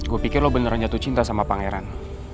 gue pikir lo beneran jatuh cinta sama pangeran